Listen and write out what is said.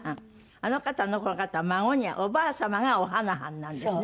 あの方のこの方は孫におばあ様がおはなはんなんですね。